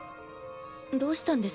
どうしたんです